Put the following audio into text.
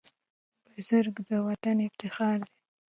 بزګر د وطن افتخار دی